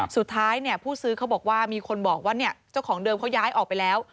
สุดท้ายผู้ซื้อเขาบอกว่ามีคนบอกว่าเจ้าของเดิมเขาย้ายออกไปแล้ว